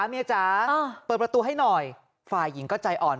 เมียจ๋าเปิดประตูให้หน่อยฝ่ายหญิงก็ใจอ่อน